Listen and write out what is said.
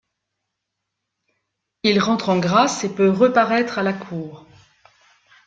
Il rentre en grâce et peut reparaître à la cour.